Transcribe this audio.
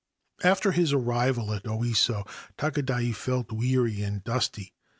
After his arrival at Oiso, Takadai felt weary and dusty.